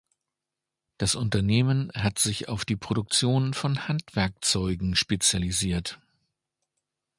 Das Unternehmen hat sich auf die Produktion von Handwerkzeugen spezialisiert.